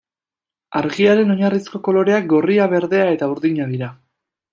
Argiaren oinarrizko koloreak gorria, berdea eta urdina dira.